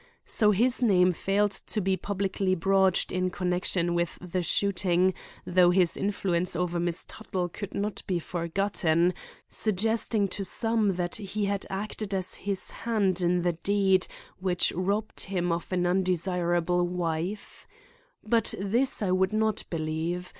So his name failed to be publicly broached in connection with the shooting, though his influence over Miss Tuttle could not be forgotten, suggesting to some that she had acted as his hand in the deed which robbed him of an undesirable wife. But this I would not believe.